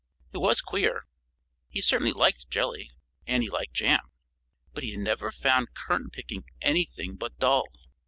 It was queer. He certainly liked jelly. And he liked jam. But he had never found currant picking anything but dull.